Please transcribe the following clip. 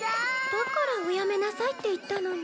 だからおやめなさいって言ったのに。